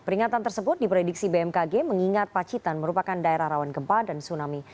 peringatan tersebut diprediksi bmkg mengingat pacitan merupakan daerah rawan gempa dan tsunami